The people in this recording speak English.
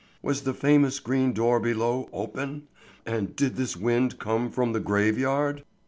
Was the famous green door below open, and did this wind come from the graveyard?